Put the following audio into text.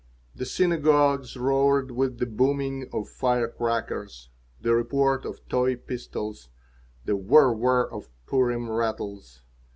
The synagogues roared with the booming of fire crackers, the report of toy pistols, the whir whir of Purim rattles.